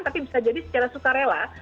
tapi bisa jadi secara sukarela